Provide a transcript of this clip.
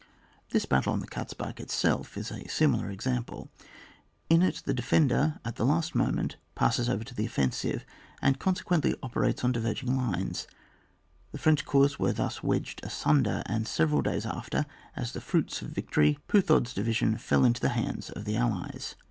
This battle on the Katzbach itself is a similar example. In it the defender, at the last moment passes over to the offensive, and consequently operates on diverging lines; the French corps were thus wedged asunder, and several days after, as the fruits of the victory, Puthod's division fell into the hands of the Allies.